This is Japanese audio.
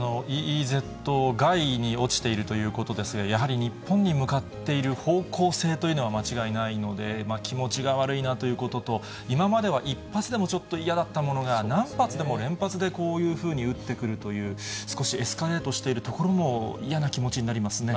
ＥＥＺ外に落ちているということですけれども、やはり日本に向かっている方向性というのは、間違いないので、気持ちが悪いなということと、今までは１発でもちょっと嫌だったものが、何発でも連発でこういうふうに撃ってくるという、少しエスカレートしているところも、嫌な気持ちになりますね。